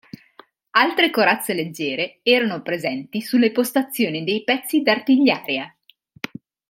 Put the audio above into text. Altre corazze leggere erano presenti sulle postazioni dei pezzi d'artigliaria.